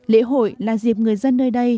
lễ hội là dịp người dân nơi đây